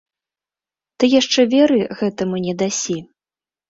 Ты яшчэ веры гэтаму не дасі.